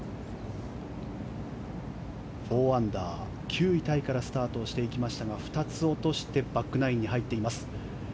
４アンダー、９位タイからスタートしていきましたが２つ落としてバックナインに入っています。